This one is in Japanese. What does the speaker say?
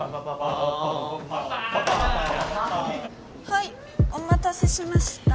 はいお待たせしました